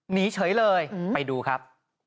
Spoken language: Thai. หนีเฉยเลยไปดูครับ